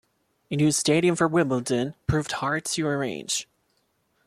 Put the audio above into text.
A new stadium for Wimbledon proved hard to arrange.